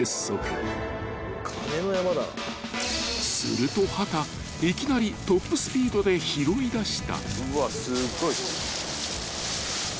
［すると秦いきなりトップスピードで拾いだした］